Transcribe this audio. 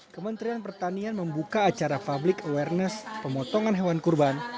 kementerian pertanian membuka acara public awareness pemotongan hewan kurban